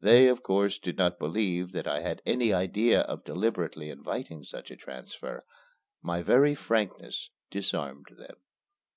They of course did not believe that I had any idea of deliberately inviting such a transfer. My very frankness disarmed them.